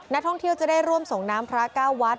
นักท่องเที่ยวจะได้ร่วมสงครามพระก้าววัฒน์